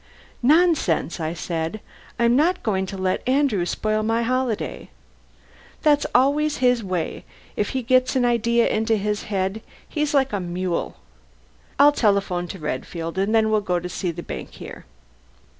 "Nonsense!" I said. "I'm not going to let Andrew spoil my holiday. That's always his way: if he gets an idea into his head he's like a mule. I'll telephone to Redfield, and then we'll go to see the bank here."